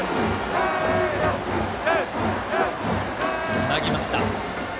つなぎました。